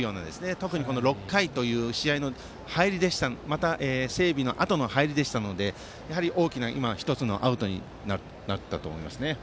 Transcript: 特に６回という整備のあとの入りでしたので１つ、大きなアウトになったと思いますね。